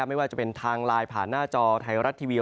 ไม่ว่าจะเป็นทางไลน์ผ่านหน้าจอไทยรัฐทีวี